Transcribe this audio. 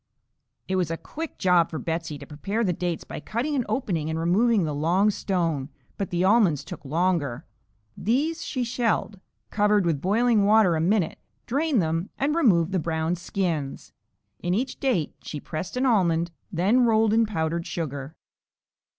It was a quick job for Betsey to prepare the dates by cutting an opening and removing the long stone, but the almonds took longer. These she shelled, covered with boiling water a minute, drained them and removed the brown skins. In each date she pressed an almond, then rolled in powdered sugar.